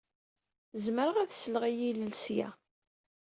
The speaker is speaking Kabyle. Zemreɣ ad sleɣ i yilel seg-a.